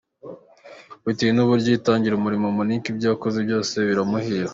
Bitewe n’uburyo yitangira umurimo, Monique ibyo akoze byose biramuhira.